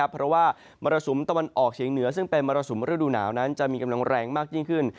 เพราะว่ามรสุมตะวันออกเฉียงเหนือซึ่งเป็นมรสุมฤดูหนาวนั้นจะมีกำลังแรงมากยิ่งขึ้น